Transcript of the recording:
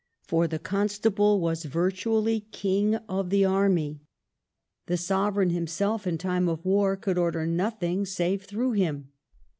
For the Constable was virtually king of the army. The Sovereign himself, in time of war, could order nothing save through him.